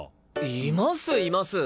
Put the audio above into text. いますいます。